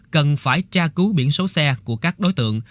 cần phải tra cứu biển số xe của các đối tượng